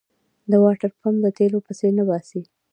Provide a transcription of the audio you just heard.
د واټرپمپ د تېلو پيسې نه باسي.